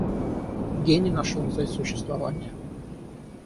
Гений нашел цель существования.